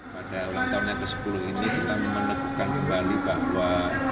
pada ulang tahun yang ke sepuluh ini kita meneguhkan kembali bahwa